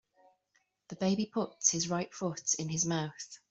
The baby puts his right foot in his mouth.